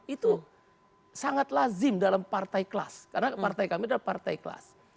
itu sangat lazim dalam partai kelas karena partai kami adalah partai kelas